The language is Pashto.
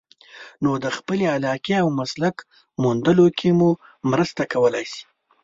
نو د خپلې علاقې او مسلک موندلو کې مو مرسته کولای شي.